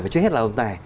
và trước hết là ông tài